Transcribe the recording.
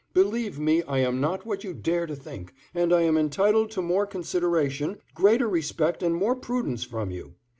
Believe me, I am not what you dare to think, and I am entitled to more consideration, greater respect, and more prudence from you.